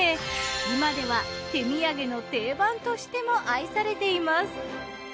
今では手土産の定番としても愛されています。